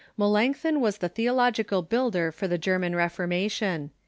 Melanchthon was the theological builder for the German Reformation.